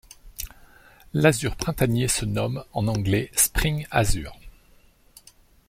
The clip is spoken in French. L'Azur printanier se nomme en anglais Spring Azure.